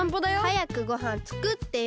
はやくごはんつくってよ！